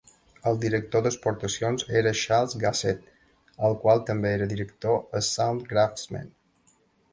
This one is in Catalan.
El director d'exportacions era Charles Gassett, el qual també era director a Soundcraftsmen.